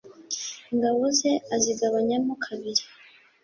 ingabo ze azigabanyamo kabiri